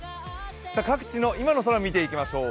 各地の今の空、見ていきましょう。